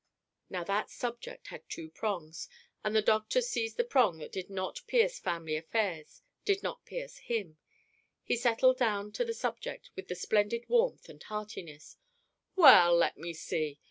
Now, that subject had two prongs, and the doctor seized the prong that did not pierce family affairs did not pierce him. He settled down to the subject with splendid warmth and heartiness: "Well, let me see!